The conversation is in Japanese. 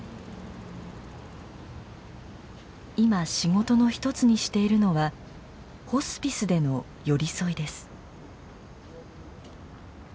今仕事の一つにしているのはホスピスでの寄り添いです。